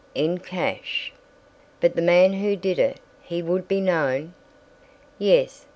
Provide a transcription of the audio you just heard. "In cash." "But the man who did it—he would be known?" "Yes.